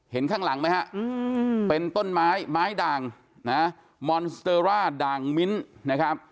เห็นข้างหลังไหมครับเป็นต้นไม้ไม้ด่างมอนสเตอร่าด่างมิ้นต์